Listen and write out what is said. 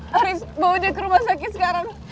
haris bawa dia ke rumah sakit sekarang